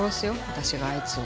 私があいつを。